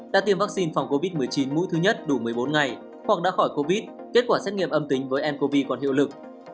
đã tiêm vaccine phòng covid một mươi chín mũi thứ nhất đủ một mươi bốn ngày hoặc đã khỏi covid kết quả xét nghiệm âm tính với ncov còn hiệu lực